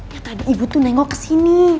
ya tadi ibu tuh nengok ke sini